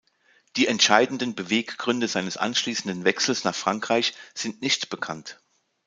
Die entscheidenden Beweggründe seines anschließenden Wechsels nach Frankreich sind nicht bekannt.